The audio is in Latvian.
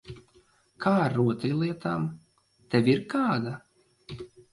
Kā ar rotaļlietām? Tev ir kāda?